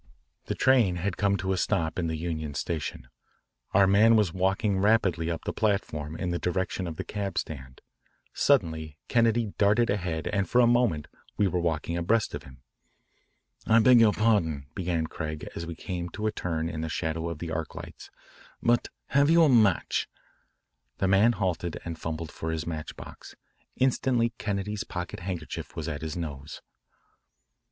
The train had come to a stop in the Union Station. Our man was walking rapidly up the platform in the direction of the cab stand. Suddenly Kennedy darted ahead and for a moment we were walking abreast of him. "I beg your pardon," began Craig as we came to a turn in the shadow of the arc lights, "but have you a match?" The man halted and fumbled for his match box. Instantly Kennedy's pocket handkerchief was at his nose.